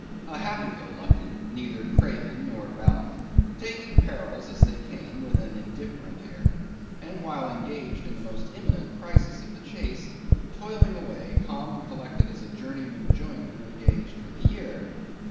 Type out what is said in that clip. A happy go lucky; neither craven nor valiant; taking perils as they came with an indifferent air; and while engaged in the most imminent crisis of the chase, toiling away, calm and collected as a journeyman joiner engaged for the year.